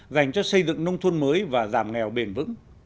dành cho xây dựng nông thôn mới và giảm nghèo bền vững